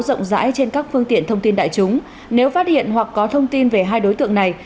rộng rãi trên các phương tiện thông tin đại chúng nếu phát hiện hoặc có thông tin về hai đối tượng này